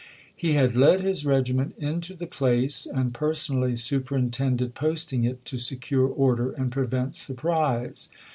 He had led his regiment into the place, and per sonally superintended posting it to secure order and prevent surprise.